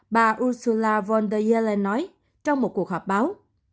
bà ursula von der leyen nói trong một cuộc họp báo